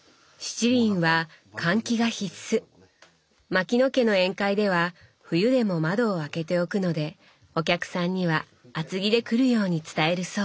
牧野家の宴会では冬でも窓を開けておくのでお客さんには厚着で来るように伝えるそう。